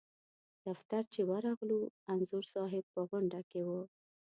دفتر چې ورغلو انځور صاحب په غونډه کې و.